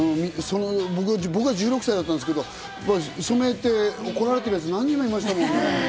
僕は１６歳だったんですけど、染めて怒られてるやつ、何人もいましたもんね。